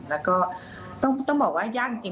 แล้วก็ต้องบอกว่ายากจริง